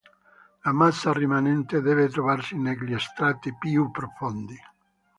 La massa rimanente deve trovarsi negli strati più profondi.